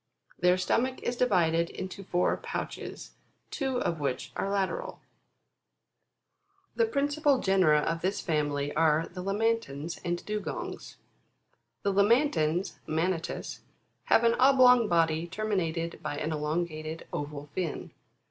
Their stomach is divided into four pouches, two of which are lateral. 27. The principal genera of this family are the Lamantins and Dvyonns; 28. The Lamantins, Man atm, have an oblong body termi nated by an elongated oval fin.